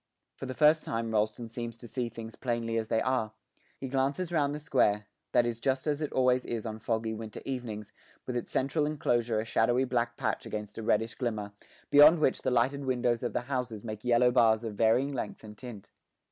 For the first time Rolleston seems to see things plainly as they are; he glances round the square that is just as it always is on foggy winter evenings, with its central enclosure a shadowy black patch against a reddish glimmer, beyond which the lighted windows of the houses make yellow bars of varying length and tint.